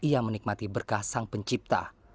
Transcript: ia menikmati berkah sang pencipta